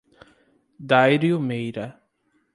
Dário Meira